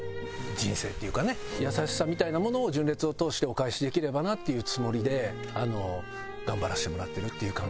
優しさみたいなものを純烈を通してお返しできればなっていうつもりで頑張らせてもらってるっていう感じです。